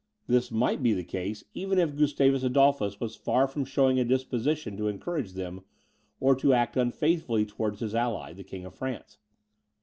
This might be the case, even if Gustavus Adolphus was far from showing a disposition to encourage them, or to act unfaithfully towards his ally, the King of France.